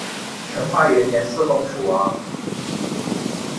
他在成化元年嗣封楚王。